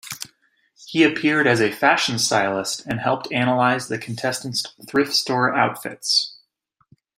He appeared as a fashion stylist and helped analyze the contestants' thrift store outfits.